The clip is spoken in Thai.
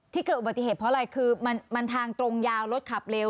เกิดอุบัติเหตุเพราะอะไรคือมันทางตรงยาวรถขับเร็ว